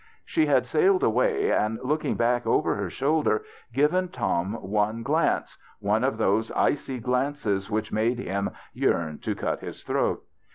She had sailed away, and looking back over her shoulder, given Tom one glance —one of those icy glances which made him 26 THE BACHELOR'S CHRISTMAS yearn to cut his tlu'oat.